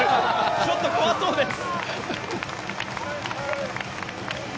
ちょっと怖そうです。